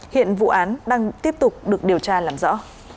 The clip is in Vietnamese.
hiện vụ án đang tiếp tục được điều tra làm rõ